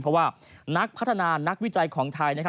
เพราะว่านักพัฒนานักวิจัยของไทย